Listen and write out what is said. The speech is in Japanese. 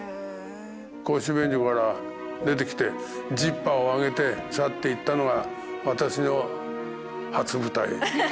公衆便所から出てきてジッパーを上げて去っていったのが私の初舞台。